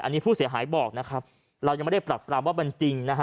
อันนี้ผู้เสียหายบอกนะครับเรายังไม่ได้ปรับปรามว่ามันจริงนะฮะ